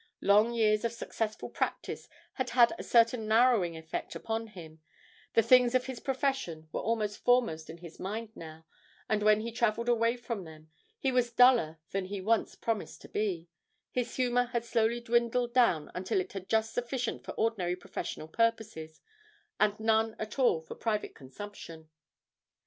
Long years of successful practice had had a certain narrowing effect upon him; the things of his profession were almost foremost in his mind now, and when he travelled away from them he was duller than he once promised to be his humour had slowly dwindled down until he had just sufficient for ordinary professional purposes, and none at all for private consumption.